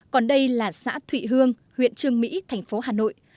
còn đây là xã thụy hương huyện trường mỹ thành phố hà nội